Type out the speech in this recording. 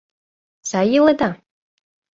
— Сай иледа?